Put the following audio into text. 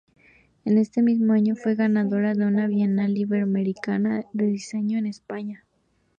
En este mismo año fue ganadora de una Bienal Iberoamericana de diseño en España.